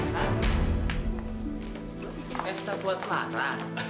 lu bikin pesta buat lara